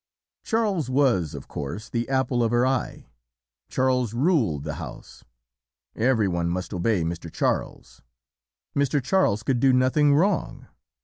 "Charles was, of course, the apple of her eye; Charles ruled the house; every one must obey Mr. Charles; Mr. Charles could do nothing wrong.